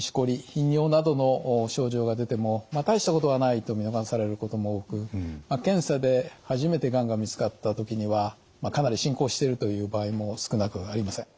頻尿などの症状が出ても大したことはないと見逃されることも多く検査で初めてがんが見つかったときにはかなり進行しているという場合も少なくありません。